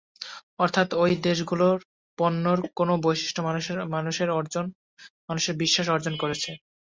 অর্থাৎ এই দেশগুলোর পণ্যের কোন বৈশিষ্ট্য মানুষের বিশ্বাস অর্জন করেছে।